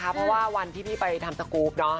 เพราะว่าวันที่พี่ไปทำสกรูป